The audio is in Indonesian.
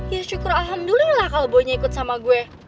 ya syukur alhamdulillah kalo boynya ikut sama gue